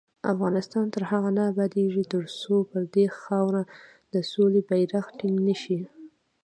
افغانستان تر هغو نه ابادیږي، ترڅو پر دې خاوره د سولې بیرغ ټینګ نشي.